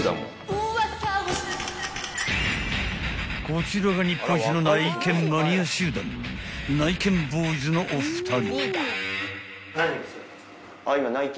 ［こちらが日本一の内見マニア集団ないけんぼーいずのお二人］